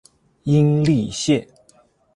殷栗线